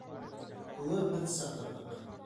Уны беҙ саҡырҙыҡ.